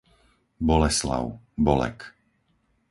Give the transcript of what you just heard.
Boleslav, Bolek